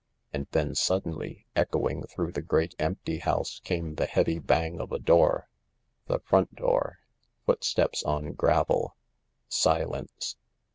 And then, suddenly, echoing through the great empty house came the heavy bang of a door. The front door. Footsteps on gravel. Silence.